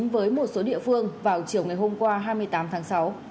với một số địa phương vào chiều ngày hôm qua hai mươi tám tháng sáu